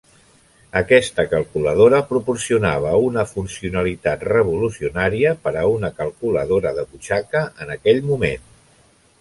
Aquesta calculadora proporcionava una funcionalitat revolucionaria per a una calculadora de butxaca, en aquell moment.